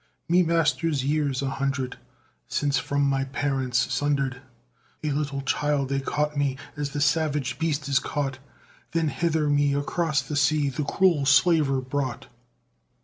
_Me master years a hundred since from my parents sunder'd, A little child, they caught me as the savage beast is caught, Then hither me across the sea the cruel slaver brought.